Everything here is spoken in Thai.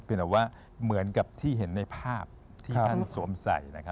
เป็นแต่ว่าเหมือนกับที่เห็นในภาพที่ท่านสวมใส่